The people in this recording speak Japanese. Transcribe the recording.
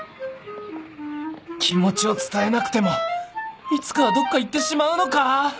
気持ちを伝えなくてもいつかはどっか行ってしまうのか⁉